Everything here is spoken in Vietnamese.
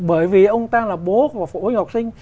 bởi vì ông ta là bố của phụ huynh học sinh